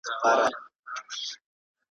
اوس چه ژوند پر انتها دئ، تر مزاره ګوندي را سې